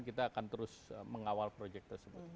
kita akan terus mengawal proyek tersebut